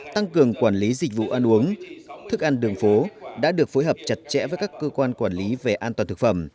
tăng cường quản lý dịch vụ ăn uống thức ăn đường phố đã được phối hợp chặt chẽ với các cơ quan quản lý về an toàn thực phẩm